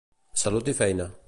Salut i feina.